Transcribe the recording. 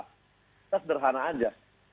kita sederhana aja